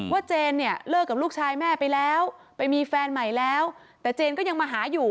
เจนเนี่ยเลิกกับลูกชายแม่ไปแล้วไปมีแฟนใหม่แล้วแต่เจนก็ยังมาหาอยู่